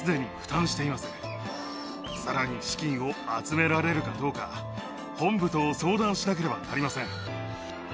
さらに資金を集められるかどうか本部と相談しなければなりません。